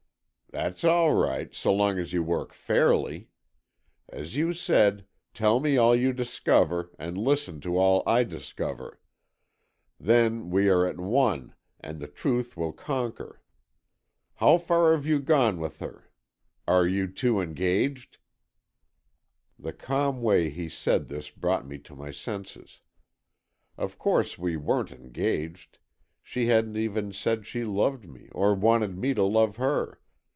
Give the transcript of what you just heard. "That's all right, so long as you work fairly. As you said, tell me all you discover, and listen to all I discover. Then, we are at one, and the truth will conquer. How far have you gone with her? Are you two engaged?" The calm way he said this brought me to my senses. Of course, we weren't engaged, she hadn't even said she loved me or wanted me to love her.